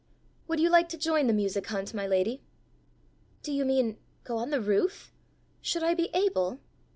Would you like to join the music hunt, my lady?" "Do you mean, go on the roof? Should I be able?"